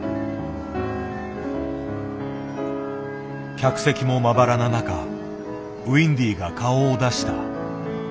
客席もまばらな中ウインディが顔を出した。